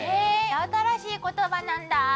新しい言葉なんだ。